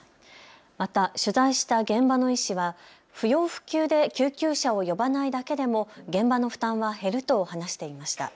また取材した現場の医師は不要不急で救急車を呼ばないだけでも現場の負担は減ると話していました。